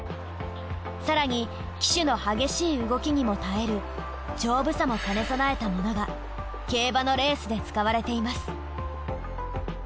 更に騎手の激しい動きにも耐える丈夫さも兼ね備えたものが競馬のレースで使われています。